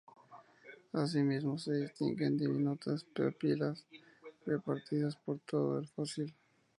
Asimismo, se distinguen diminutas papilas repartidas por todo el fósil.